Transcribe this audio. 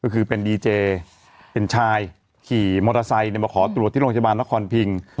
ก็คือเป็นดีเจเป็นชายขี่มอเตอร์ไซค์มาขอตรวจที่โรงพยาบาลนครพิง